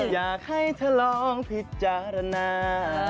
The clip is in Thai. อยากให้เธอลองพิจารณา